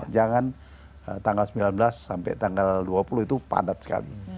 jangan tanggal sembilan belas sampai tanggal dua puluh itu padat sekali